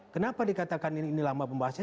kenapa dikatakan ini lama pembahasan